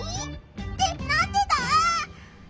ってなんでだ？